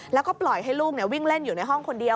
แล้วก็ปล่อยให้ลูกวิ่งเล่นอยู่ในห้องคนเดียว